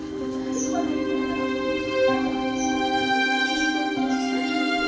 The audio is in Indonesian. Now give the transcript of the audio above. ketika dianggap sebagai penyakit tersebut di mana saja itu terjadi